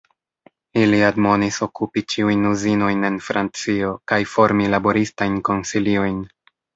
Ili admonis okupi ĉiujn uzinojn en Francio kaj formi laboristajn konsiliojn.